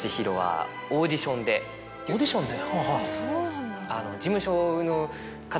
オーディションで。